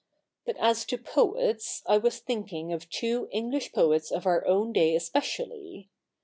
But as to poets, I was thinking of two English poets of our own day especially.